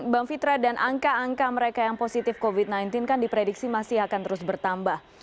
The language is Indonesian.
bang fitra dan angka angka mereka yang positif covid sembilan belas kan diprediksi masih akan terus bertambah